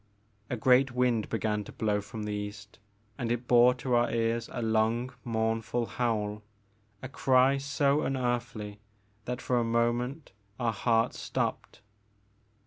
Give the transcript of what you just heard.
A great wind began to blow from the east and it bore to our ears a long mournful howl, — a cry so unearthly that for a moment our hearts stopped.